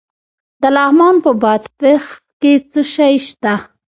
د لغمان په بادپخ کې څه شی شته؟